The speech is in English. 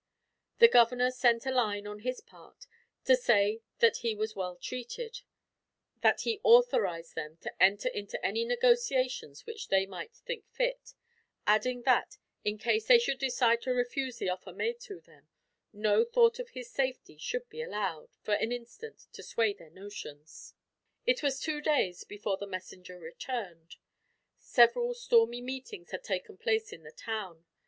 The governor sent a line, on his part, to say that he was well treated, that he authorized them to enter into any negotiations which they might think fit; adding that, in case they should decide to refuse the offer made them, no thought of his safety should be allowed, for an instant, to sway their notions. It was two days before the messenger returned. Several stormy meetings had taken place in the town.